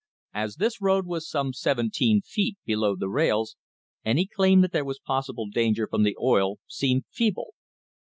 As this road was some seven teen feet below the rails, any claim that there was possible danger from the oil seemed feeble.